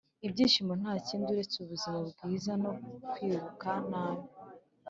“ibyishimo nta kindi uretse ubuzima bwiza no kwibuka nabi